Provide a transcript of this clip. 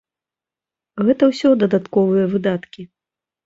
Гэта ўсё дадатковыя выдаткі.